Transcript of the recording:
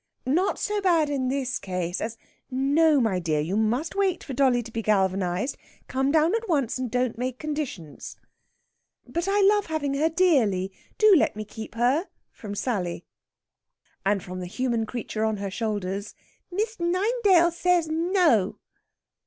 not so bad in this case as (no, my dear! you must wait for dolly to be galvanised. Come down at once, and don't make conditions.)" "But I love having her dearly do let me keep her!" from Sally. And from the human creature on her shoulders, "Miss Ninedale says '_No!